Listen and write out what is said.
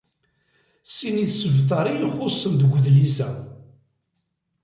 Sin isebtar i ixuṣṣen deg udlis-a.